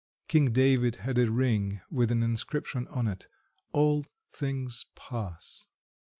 King David had a ring with an inscription on it: 'All things pass.'